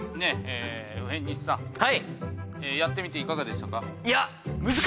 上西さんやってみていかがでしたか？